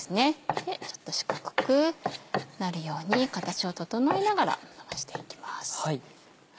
ちょっと四角くなるように形を整えながらのばしていきます。